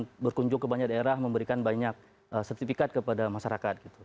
untuk berkunjung ke banyak daerah memberikan banyak sertifikat kepada masyarakat